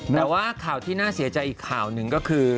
แต่ว่าข่าวที่น่าเสียใจอีกข่าวหนึ่งก็คือ